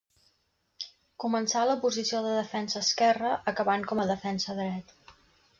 Començà a la posició de defensa esquerre, acabant com a defensa dret.